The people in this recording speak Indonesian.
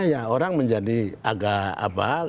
ya orang menjadi agak